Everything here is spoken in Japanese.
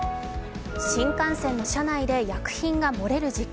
新幹線の車内で薬品が漏れる事故。